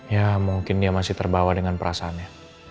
ya mungkin dia masih terbawa dengan perasaannya